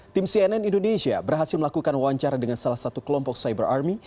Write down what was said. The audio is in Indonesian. tim cnn indonesia berhasil melakukan wawancara dengan salah satu kelompok cyber army